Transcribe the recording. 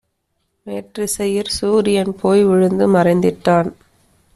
மேற்றிசையிற் சூரியன்போய் விழுந்து மறைந்திட்டான்;